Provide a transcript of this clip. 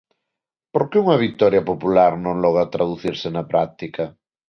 Por que unha vitoria popular non logra traducirse na práctica?